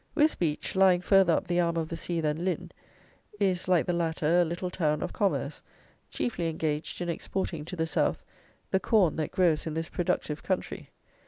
Wisbeach, lying farther up the arm of the sea than Lynn, is, like the latter, a little town of commerce, chiefly engaged in exporting to the south, the corn that grows in this productive country.